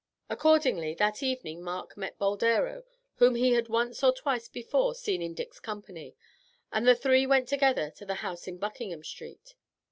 Accordingly that evening Mark met Boldero, whom he had once or twice before seen in Dick's company, and the three went together to the house in Buckingham Street.